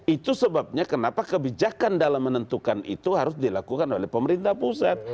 itu sebabnya kenapa kebijakan dalam menentukan itu harus dilakukan oleh pemerintah pusat